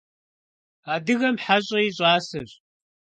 Адыгэм хьэщӀэ и щӀасэщ.